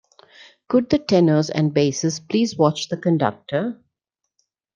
Could the tenors and basses please watch the conductor?